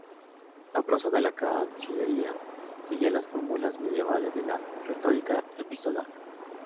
La prosa de la Cancillería seguía las fórmulas medievales de la retórica epistolar.